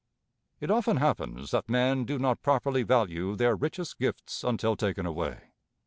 It often happens that men do not properly value their richest gifts until taken away.